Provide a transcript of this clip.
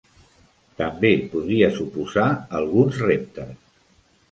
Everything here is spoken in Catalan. També podria suposar alguns reptes.